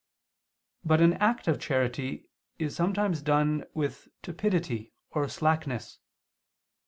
But an act of charity is sometimes done with tepidity or slackness.